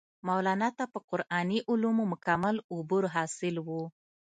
مولانا ته پۀ قرآني علومو مکمل عبور حاصل وو